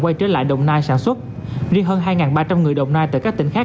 quay trở lại đồng nai sản xuất riêng hơn hai ba trăm linh người đồng nai tại các tỉnh khác